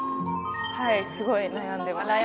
はいすごい悩んでます。